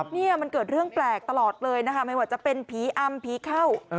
นี่มันเกิดเรื่องแปลกตลอดเลยนะคะไม่ว่าจะเป็นผีอำผีเข้า